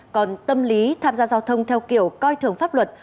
còn tâm lý tham gia giao thông theo kiểu coi thường pháp luật